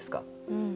うん。